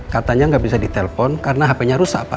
katanya gak bisa di telpon karena hpnya rusak pak